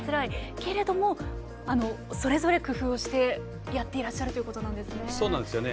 けれども、それぞれ工夫をしてやっていらっしゃるということですね。